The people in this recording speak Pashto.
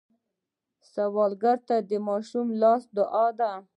سوالګر ته د ماشوم لاس دعا ده